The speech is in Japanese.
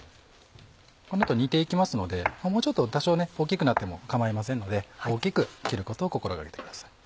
この後煮て行きますので多少大きくなっても構いませんので大きく切ることを心掛けてください。